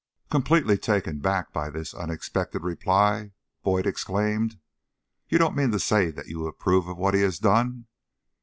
Completely taken back by this unexpected reply, Boyd exclaimed: "You don't mean to say that you approve of what he has done?"